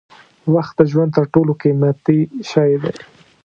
وخت د ژوند تر ټولو قیمتي شی دی.